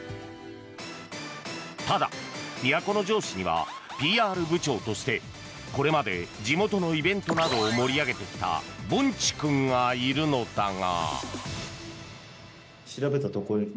ただ、都城市にはＰＲ部長としてこれまで地元のイベントなどを盛り上げてきたぼんちくんがいるのだが。